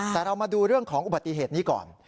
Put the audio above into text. แต่เรามาดูเรื่องของอุบัติเหตุนี้ก่อน